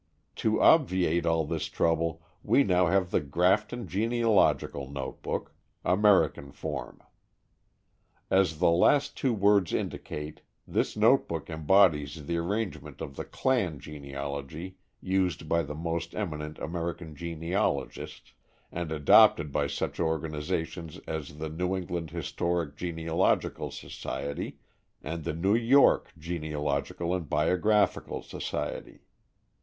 To obviate all this trouble, we now have the Grafton Genealogical Notebook, American Form. As the last two words indicate, this notebook embodies the arrangement of the "clan" genealogy used by the most eminent American genealogists and adopted by such organizations as the New England Historic Genealogical Society and the New York Genealogical and Biographical Society.